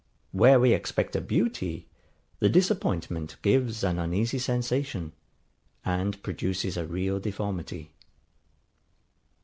Where we expect a beauty, the disappointment gives an uneasy sensation, and produces a real deformity.